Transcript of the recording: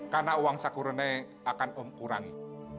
karena uang saku renai akan om kurangi